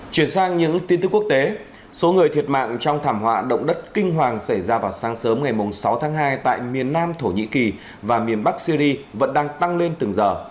chuyển sang những tin tức quốc tế số người thiệt mạng trong thảm họa động đất kinh hoàng xảy ra vào sáng sớm ngày sáu tháng hai tại miền nam thổ nhĩ kỳ và miền bắc syri vẫn đang tăng lên từng giờ